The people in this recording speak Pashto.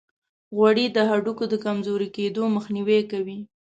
غوړې د هډوکو د کمزوري کیدو مخنیوي کوي.